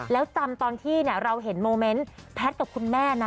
แล้วจำตอนที่เราเห็นโมเมนต์แพทย์กับคุณแม่นะ